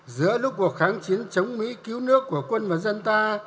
giữa lúc cuộc kháng chiến chống mỹ cứu nước của quân và dân ta